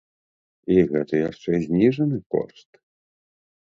І гэта яшчэ зніжаны кошт!